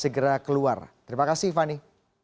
segera keluar terima kasih fani